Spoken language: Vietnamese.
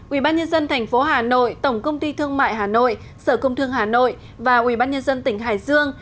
ubnd tp hà nội tổng công ty thương mại hà nội sở công thương hà nội và ubnd tỉnh hải dương